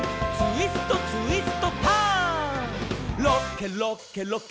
「ツイストツイストターン！」